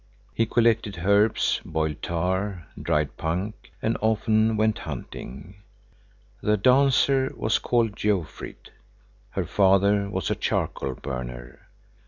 He collected herbs, boiled tar, dried punk, and often went hunting. The dancer was called Jofrid. Her father was a charcoal burner.